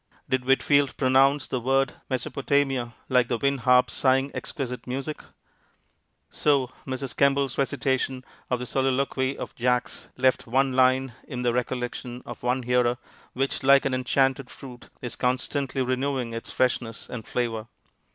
Did Whitfield pronounce the word Mesopotamia like a wind harp sighing exquisite music? So Mrs. Kemble's recitation of the soliloquy of Jaques left one line in the recollection of one hearer, which, like an enchanted fruit, is constantly renewing its freshness and flavor.